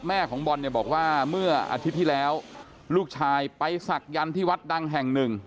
ของบอลเนี่ยบอกว่าเมื่ออาทิตย์ที่แล้วลูกชายไปศักยันต์ที่วัดดังแห่งหนึ่ง